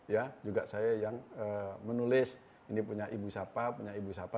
ya juga saya yang menulis ini punya ibu siapa punya ibu siapa